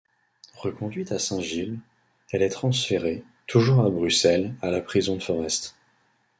Reconduite à Saint-Gilles, elle est transférée, toujours à Bruxelles,à la prison de Forest.